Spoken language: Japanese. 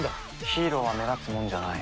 ヒーローは目立つものじゃない。